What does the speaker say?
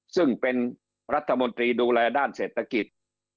ซึ่งเป็นรัฐมนตรีดูแลด้านเศรษฐกิจ